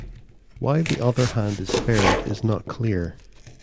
Why the other hand is spared is not clear.